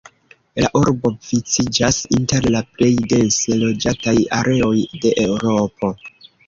La urbo viciĝas inter la plej dense loĝataj areoj de Eŭropo.